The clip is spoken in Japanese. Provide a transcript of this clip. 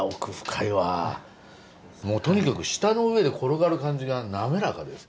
もうとにかく舌の上で転がる感じが滑らかです。